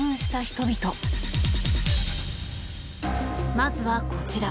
まずはこちら。